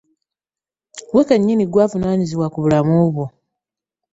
Ggwe kennyini ggwe ovunaanyizibwa ku bulamu bwo.